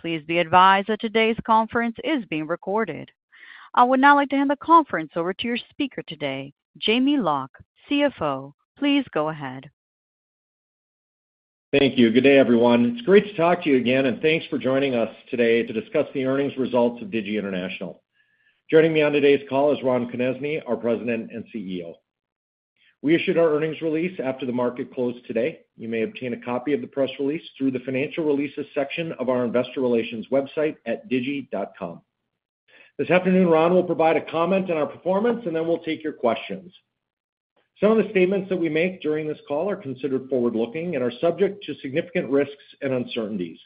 Please be advised that today's conference is being recorded. I would now like to hand the conference over to your speaker today, Jamie Loch, CFO. Please go ahead. Thank you. Good day, everyone. It's great to talk to you again, and thanks for joining us today to discuss the earnings results of Digi International. Joining me on today's call is Ron Konezny, our President and CEO. We issued our earnings release after the market closed today. You may obtain a copy of the press release through the financial releases section of our investor relations website at digi.com. This afternoon, Ron will provide a comment on our performance, and then we'll take your questions. Some of the statements that we make during this call are considered forward-looking and are subject to significant risks and uncertainties.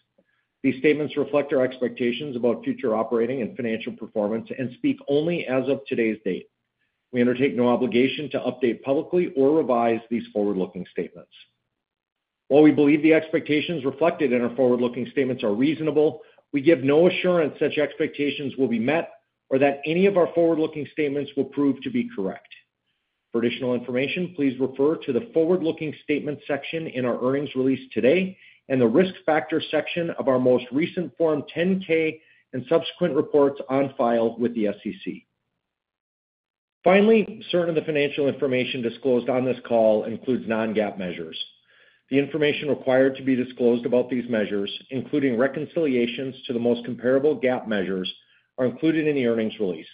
These statements reflect our expectations about future operating and financial performance and speak only as of today's date. We undertake no obligation to update publicly or revise these forward-looking statements. While we believe the expectations reflected in our forward-looking statements are reasonable, we give no assurance such expectations will be met or that any of our forward-looking statements will prove to be correct. For additional information, please refer to the forward-looking statements section in our earnings release today and the risk factor section of our most recent Form 10-K and subsequent reports on file with the SEC. Finally, certain of the financial information disclosed on this call includes non-GAAP measures. The information required to be disclosed about these measures, including reconciliations to the most comparable GAAP measures, are included in the earnings release.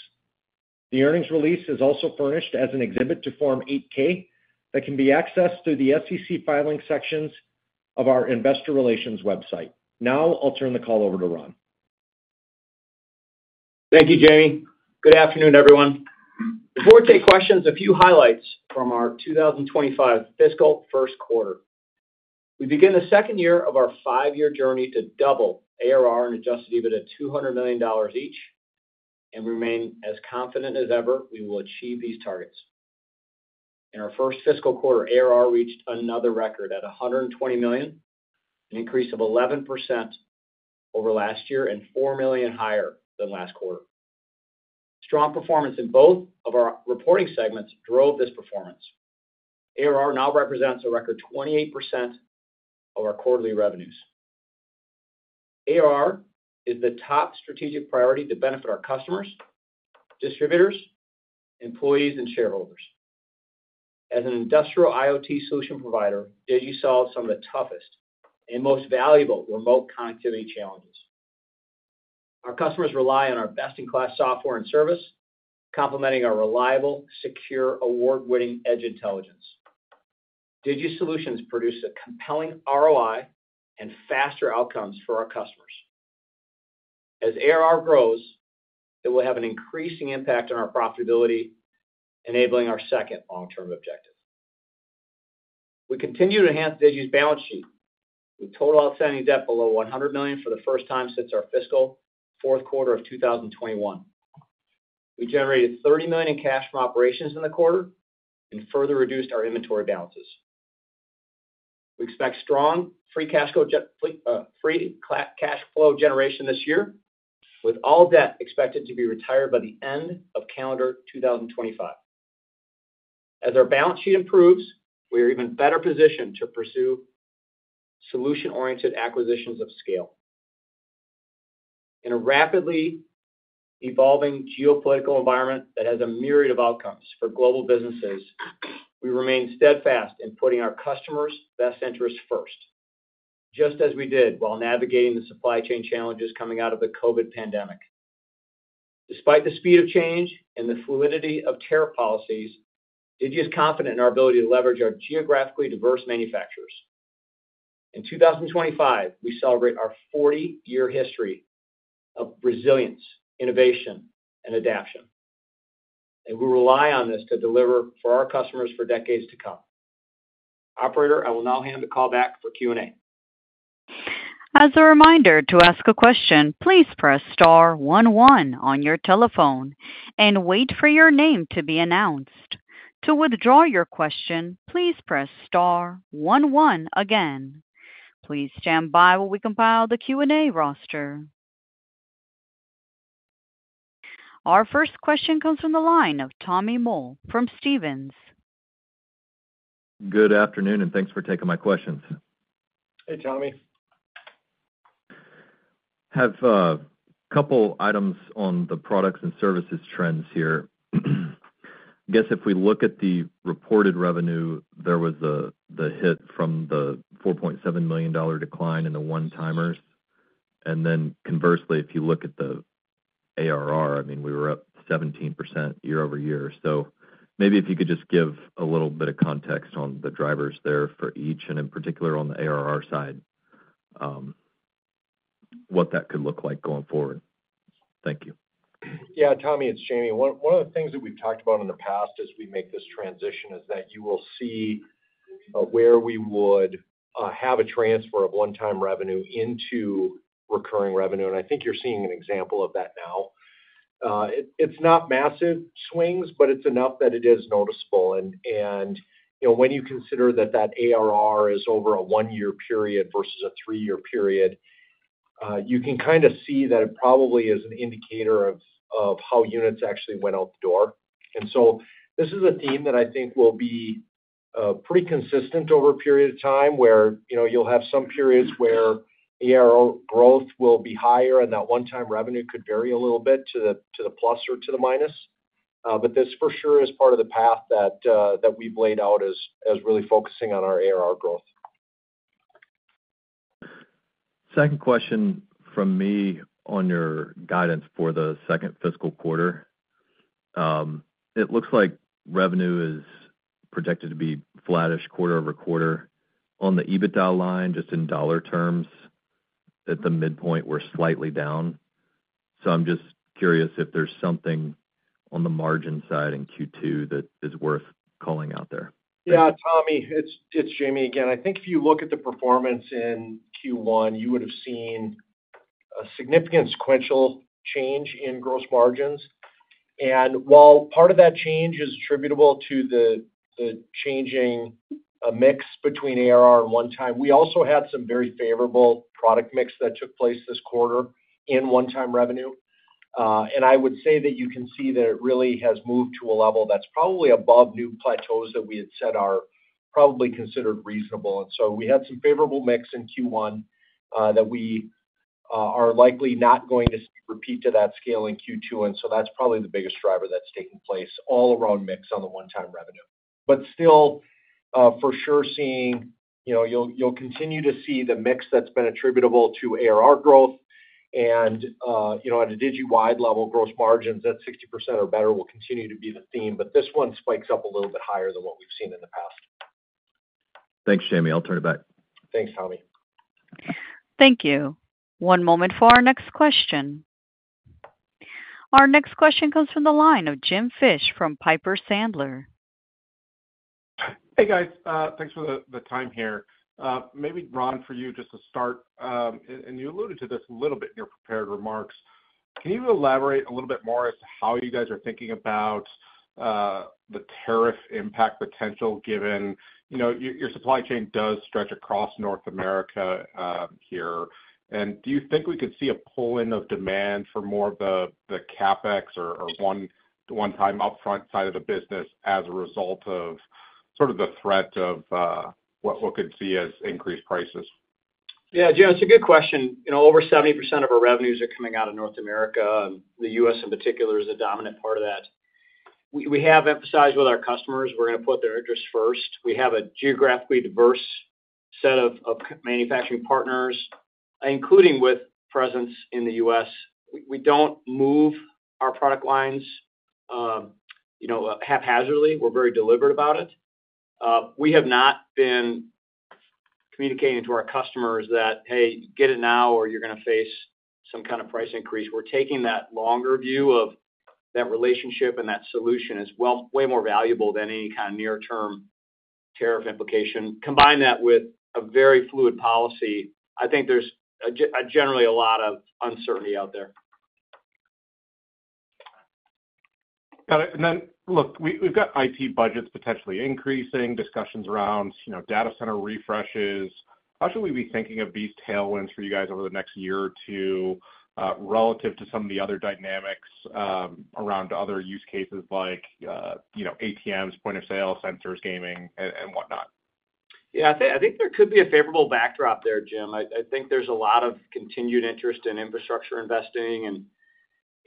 The earnings release is also furnished as an exhibit to Form 8-K that can be accessed through the SEC filing sections of our investor relations website. Now I'll turn the call over to Ron. Thank you, Jamie. Good afternoon, everyone. Before we take questions, a few highlights from our 2025 fiscal first quarter. We begin the second year of our five-year journey to double ARR and adjusted EBITDA at $200 million each, and we remain as confident as ever we will achieve these targets. In our first fiscal quarter, ARR reached another record at $120 million, an increase of 11% over last year and $4 million higher than last quarter. Strong performance in both of our reporting segments drove this performance. ARR now represents a record 28% of our quarterly revenues. ARR is the top strategic priority to benefit our customers, distributors, employees, and shareholders. As an industrial IoT solution provider, Digi solves some of the toughest and most valuable remote connectivity challenges. Our customers rely on our best-in-class software and service, complementing our reliable, secure, award-winning edge intelligence. Digi solutions produce a compelling ROI and faster outcomes for our customers. As ARR grows, it will have an increasing impact on our profitability, enabling our second long-term objective. We continue to enhance Digi's balance sheet with total outstanding debt below $100 million for the first time since our fiscal fourth quarter of 2021. We generated $30 million in cash from operations in the quarter and further reduced our inventory balances. We expect strong free cash flow generation this year, with all debt expected to be retired by the end of calendar 2025. As our balance sheet improves, we are even better positioned to pursue solution-oriented acquisitions of scale. In a rapidly evolving geopolitical environment that has a myriad of outcomes for global businesses, we remain steadfast in putting our customers' best interests first, just as we did while navigating the supply chain challenges coming out of the COVID pandemic. Despite the speed of change and the fluidity of tariff policies, Digi is confident in our ability to leverage our geographically diverse manufacturers. In 2025, we celebrate our 40-year history of resilience, innovation, and adaptation, and we rely on this to deliver for our customers for decades to come. Operator, I will now hand the call back for Q&A. As a reminder to ask a question, please press star 1-1 on your telephone and wait for your name to be announced. To withdraw your question, please press star 1-1 again. Please stand by while we compile the Q&A roster. Our first question comes from the line of Tommy Moll from Stephens. Good afternoon, and thanks for taking my questions. Hey, Tommy. I have a couple of items on the products and services trends here. I guess if we look at the reported revenue, there was the hit from the $4.7 million decline in the one-timers, and then conversely, if you look at the ARR, I mean, we were up 17% year over year, so maybe if you could just give a little bit of context on the drivers there for each, and in particular on the ARR side, what that could look like going forward. Thank you. Yeah, Tommy, it's Jamie. One of the things that we've talked about in the past as we make this transition is that you will see where we would have a transfer of one-time revenue into recurring revenue. And I think you're seeing an example of that now. It's not massive swings, but it's enough that it is noticeable. And when you consider that that ARR is over a one-year period versus a three-year period, you can kind of see that it probably is an indicator of how units actually went out the door. And so this is a theme that I think will be pretty consistent over a period of time where you'll have some periods where ARR growth will be higher and that one-time revenue could vary a little bit to the plus or to the minus. But this for sure is part of the path that we've laid out as really focusing on our ARR growth. Second question from me on your guidance for the second fiscal quarter. It looks like revenue is projected to be flattish quarter over quarter. On the EBITDA line, just in dollar terms, at the midpoint, we're slightly down. So I'm just curious if there's something on the margin side in Q2 that is worth calling out there. Yeah, Tommy, it's Jamie again. I think if you look at the performance in Q1, you would have seen a significant sequential change in gross margins. And while part of that change is attributable to the changing mix between ARR and one-time, we also had some very favorable product mix that took place this quarter in one-time revenue. And I would say that you can see that it really has moved to a level that's probably above new plateaus that we had set are probably considered reasonable. And so we had some favorable mix in Q1 that we are likely not going to see repeat to that scale in Q2. And so that's probably the biggest driver that's taking place, all-around mix on the one-time revenue. But still, for sure, you'll continue to see the mix that's been attributable to ARR growth. And at a Digi-wide level, gross margins at 60% or better will continue to be the theme. But this one spikes up a little bit higher than what we've seen in the past. Thanks, Jamie. I'll turn it back. Thanks, Tommy. Thank you. One moment for our next question. Our next question comes from the line of Jim Fish from Piper Sandler. Hey, guys. Thanks for the time here. Maybe, Ron, for you just to start, and you alluded to this a little bit in your prepared remarks. Can you elaborate a little bit more as to how you guys are thinking about the tariff impact potential given your supply chain does stretch across North America here? And do you think we could see a pull-in of demand for more of the CapEx or one-time upfront side of the business as a result of sort of the threat of what we could see as increased prices? Yeah, Jim, it's a good question. Over 70% of our revenues are coming out of North America. The U.S., in particular, is a dominant part of that. We have emphasized with our customers we're going to put their interests first. We have a geographically diverse set of manufacturing partners, including with presence in the U.S. We don't move our product lines haphazardly. We're very deliberate about it. We have not been communicating to our customers that, "Hey, get it now or you're going to face some kind of price increase." We're taking that longer view of that relationship and that solution as well, way more valuable than any kind of near-term tariff implication. Combine that with a very fluid policy. I think there's generally a lot of uncertainty out there. Got it. And then, look, we've got IT budgets potentially increasing, discussions around data center refreshes. How should we be thinking of these tailwinds for you guys over the next year or two relative to some of the other dynamics around other use cases like ATMs, point of sale, sensors, gaming, and whatnot? Yeah, I think there could be a favorable backdrop there, Jim. I think there's a lot of continued interest in infrastructure investing.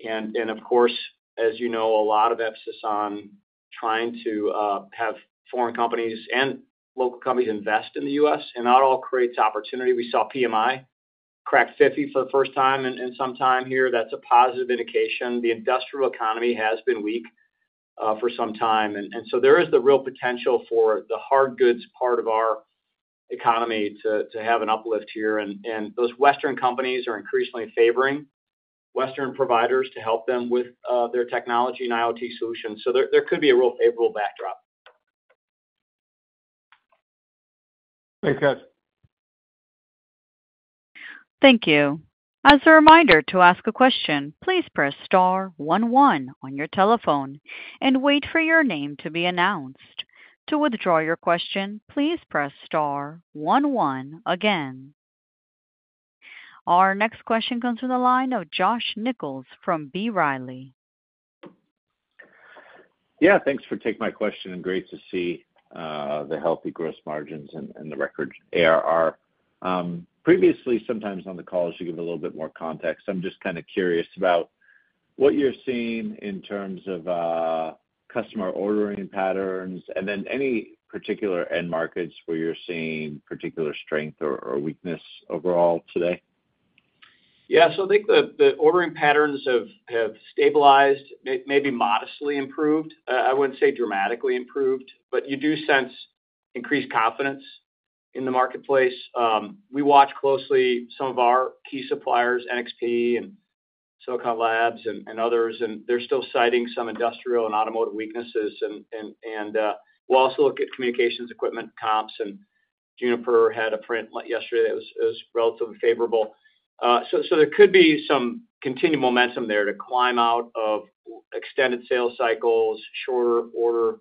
And of course, as you know, a lot of emphasis on trying to have foreign companies and local companies invest in the U.S. And that all creates opportunity. We saw PMI crack 50 for the first time in some time here. That's a positive indication. The industrial economy has been weak for some time. And so there is the real potential for the hard goods part of our economy to have an uplift here. And those Western companies are increasingly favoring Western providers to help them with their technology and IoT solutions. So there could be a real favorable backdrop. Thanks, guys. Thank you. As a reminder to ask a question, please press star 1-1 on your telephone and wait for your name to be announced. To withdraw your question, please press star 1-1 again. Our next question comes from the line of Josh Nichols from B. Riley. Yeah, thanks for taking my question. And great to see the healthy gross margins and the record ARR. Previously, sometimes on the calls, you give a little bit more context. I'm just kind of curious about what you're seeing in terms of customer ordering patterns and then any particular end markets where you're seeing particular strength or weakness overall today. Yeah, so I think the ordering patterns have stabilized, maybe modestly improved. I wouldn't say dramatically improved, but you do sense increased confidence in the marketplace. We watch closely some of our key suppliers, NXP and Silicon Labs and others, and they're still citing some industrial and automotive weaknesses, and we'll also look at communications equipment comps, and Juniper had a print yesterday that was relatively favorable, so there could be some continued momentum there to climb out of extended sales cycles, shorter order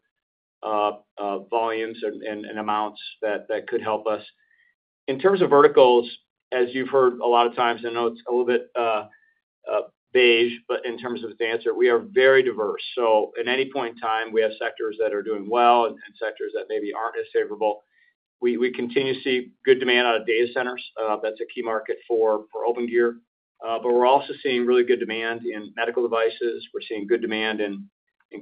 volumes and amounts that could help us. In terms of verticals, as you've heard a lot of times, I know it's a little bit beige, but in terms of the answer, we are very diverse, so at any point in time, we have sectors that are doing well and sectors that maybe aren't as favorable. We continue to see good demand on data centers. That's a key market for Opengear. But we're also seeing really good demand in medical devices. We're seeing good demand in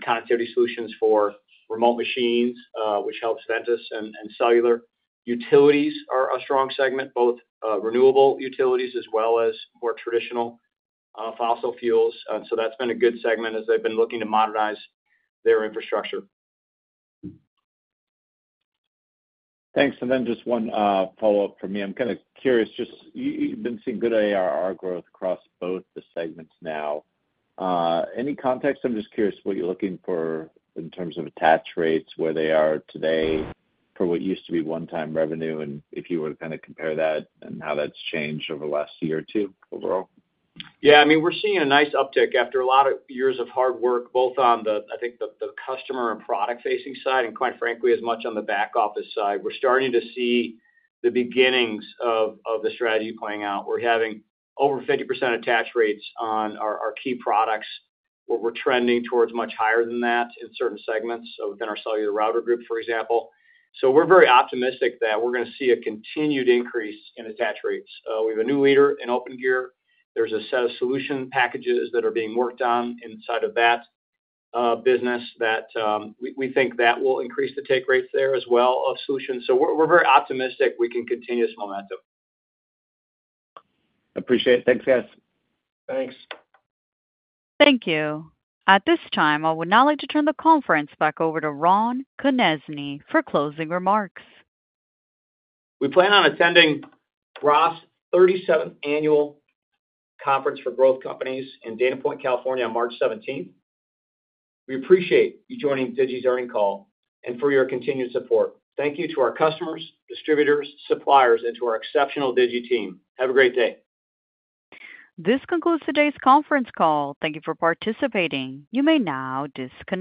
connectivity solutions for remote machines, which helps Ventus and cellular. Utilities are a strong segment, both renewable utilities as well as more traditional fossil fuels, and so that's been a good segment as they've been looking to modernize their infrastructure. Thanks, and then just one follow-up from me. I'm kind of curious. You've been seeing good ARR growth across both the segments now. Any context? I'm just curious what you're looking for in terms of attach rates, where they are today for what used to be one-time revenue, and if you were to kind of compare that and how that's changed over the last year or two overall. Yeah, I mean, we're seeing a nice uptick after a lot of years of hard work, both on the, I think, the customer and product-facing side and, quite frankly, as much on the back office side. We're starting to see the beginnings of the strategy playing out. We're having over 50% attach rates on our key products, where we're trending towards much higher than that in certain segments within our cellular router group, for example. So we're very optimistic that we're going to see a continued increase in attach rates. We have a new leader in Opengear. There's a set of solution packages that are being worked on inside of that business that we think that will increase the take rates there as well of solutions. So we're very optimistic we can continue this momentum. Appreciate it. Thanks, guys. Thanks. Thank you. At this time, I would now like to turn the conference back over to Ron Konezny for closing remarks. We plan on attending Roth's 37th Annual Conference for Growth Companies in Dana Point, California on March 17th. We appreciate you joining Digi's earnings call and for your continued support. Thank you to our customers, distributors, suppliers, and to our exceptional Digi team. Have a great day. This concludes today's conference call. Thank you for participating. You may now disconnect.